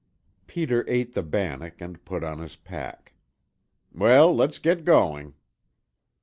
Peter ate the bannock and put on his pack. "Well, let's get going!"